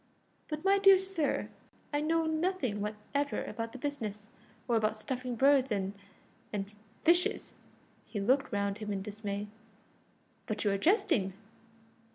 "But, my dear sir, I know nothing whatever about the business, or about stuffing birds and and fishes." He looked round him in dismay. "But you are jesting!"